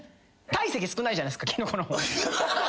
体積少ないじゃないですかきのこの方。